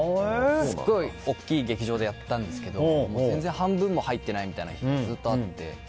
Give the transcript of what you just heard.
すごい大きい劇場でやったんですけど半分も入ってないみたいな日もずっとあって。